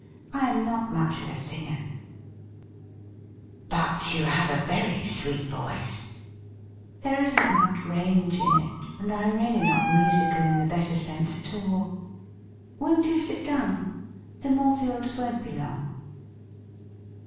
I am not much of a singer ''' But you have a very sweet voice '«' There isn't much range in it, and I am really not musical in the better sense at all. Won't you sit down ? The Morefields won't be long.'